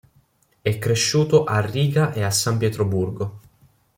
È cresciuto a Riga e a San Pietroburgo.